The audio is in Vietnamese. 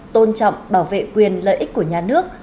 tôn trọng bảo vệ quyền lợi ích của nhà nước